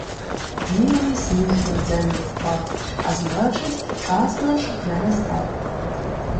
Білий сніг на землю впав, А значить час наш вже настав.